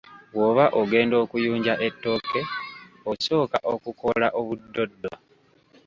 Bw'oba ogenda okuyunja ettooke osooka okukoola obuddoddo.